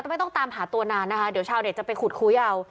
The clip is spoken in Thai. ไม่ต้องตามหาตัวนานนะคะเดี๋ยวชาวเด็ดจะไปขุดคุยเอา